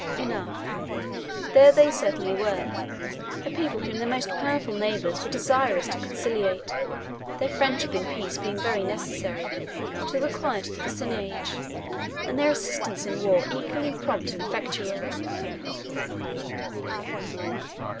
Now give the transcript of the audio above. Enough; there they certainly were a people whom their most powerful neighbours were desirous to conciliate, their friendship in peace being very necessary to the quiet of the vicinage, and their assistance in war equally prompt and effectual.